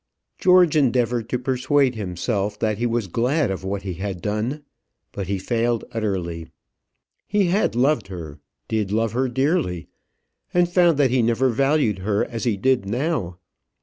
George endeavoured to persuade himself that he was glad of what he had done; but he failed utterly. He had loved her, did love her dearly, and found that he never valued her as he did now.